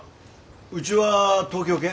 うちは東京け？